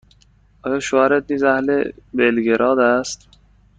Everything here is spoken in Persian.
آیا شوهرت نیز اهل بلگراد است؟